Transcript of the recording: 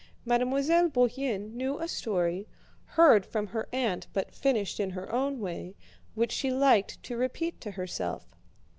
Mademoiselle Bourienne knew a story, heard from her aunt but finished in her own way, which she liked to repeat to herself.